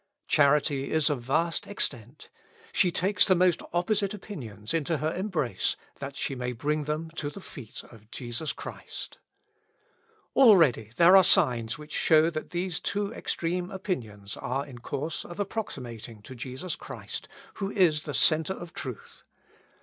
Charity is of vast extent; she takes the most opposite opinions into her embrace, that she may bring them to the feet of Jesus Christ. Already there are signs which show that these two extreme opinions are in course of approximating to Jesus Christ, who is the centre of truth.